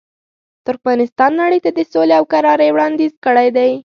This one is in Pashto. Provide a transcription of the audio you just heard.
ترکمنستان نړۍ ته د سولې او کرارۍ وړاندیز کړی دی.